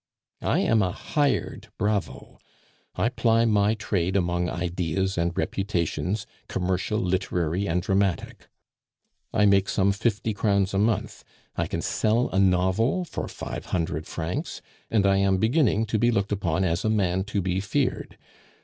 I am a hired bravo; I ply my trade among ideas and reputations, commercial, literary, and dramatic; I make some fifty crowns a month; I can sell a novel for five hundred francs; and I am beginning to be looked upon as a man to be feared.